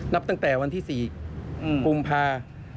นับตั้งแต่วันที่๔ปุ่มพา๒๕๖๑